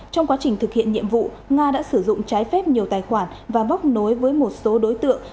trong quá trình thực hiện nhiệm vụ nga đã sử dụng trái phép nhiều tài khoản và bóc nối với một số đối tượng